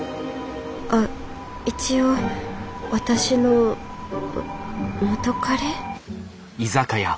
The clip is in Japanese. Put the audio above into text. あっ一応私の元カレ？